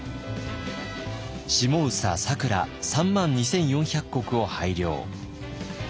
下総佐倉３万２，４００石を拝領。